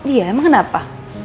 iya emang kenapa